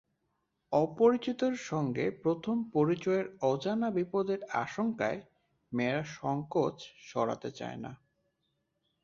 অপরিচিতের সঙ্গে প্রথম পরিচয়ের অজানা বিপদের আশঙ্কায় মেয়েরা সংকোচ সরাতে চায় না।